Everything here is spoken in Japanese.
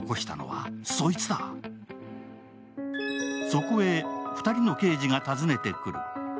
そこへ２人の刑事が訪ねてくる。